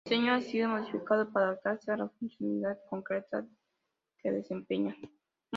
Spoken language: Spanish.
Su diseño ha sido modificado para adaptarse a la funcionalidad concreta que desempeñan.